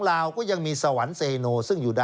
ลาวก็ยังมีสวรรค์เซโนซึ่งอยู่ได้